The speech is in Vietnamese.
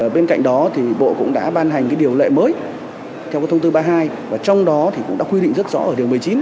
bên cạnh đó thì bộ cũng đã ban hành điều lệ mới theo thông tư ba mươi hai và trong đó thì cũng đã quy định rất rõ ở điều một mươi chín